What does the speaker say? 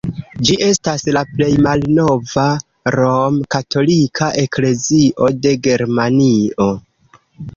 Ĝi estas la plej malnova rom-katolika eklezio de Germanio.